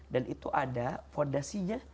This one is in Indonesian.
dan itu ada fondasinya